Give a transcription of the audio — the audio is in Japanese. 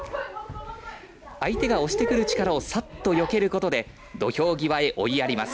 相手が押してくる力をさっとよけることで土俵際へ追いやります。